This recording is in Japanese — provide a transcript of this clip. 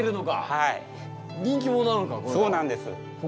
はい。